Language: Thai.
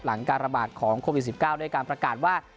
การระบาดของโควิด๑๙ด้วยการประกาศว่า